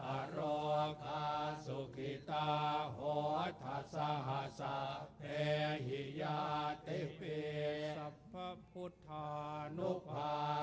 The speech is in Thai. อะโรคาสุขิตาโฮทัศน์สัพเพฮิยาติพิเตะสัพผุธานุภา